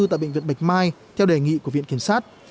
tại bệnh viện bạch mai theo đề nghị của viện kiểm sát